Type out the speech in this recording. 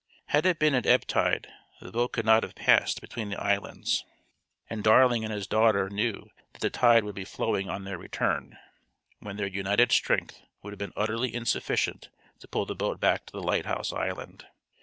Had it been at ebb tide the boat could not have passed between the islands; and Darling and his daughter knew that the tide would be flowing on their return, when their united strength would have been utterly insufficient to pull the boat back to the lighthouse island.